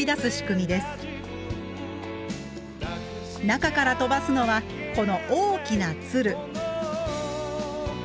中から飛ばすのはこの大きな鶴。